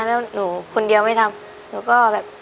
แล้วหนูคนเดียวไม่ทำหนูก็แบบ